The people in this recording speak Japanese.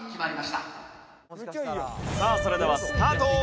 さあそれではスタート！